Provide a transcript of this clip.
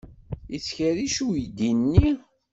Yettkerric uydi-nni?